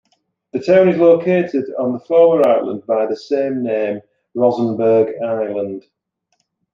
The town is located on the former island by the same name: Rozenburg Island.